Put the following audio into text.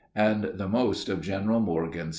], and the most of General Morgan's staff.